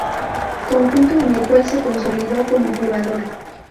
Conjunto en el cual se consolidó como jugador.